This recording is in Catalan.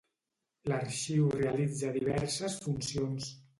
L'arxiu realitza diverses funcions.